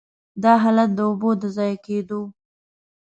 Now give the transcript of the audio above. دا حالت د اوبو د ضایع کېدو.